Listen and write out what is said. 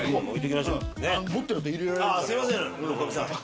すいません六角さん。